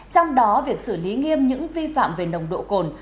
trong đó việc xử lý nghiêm những vi phạm về nồng độ cồn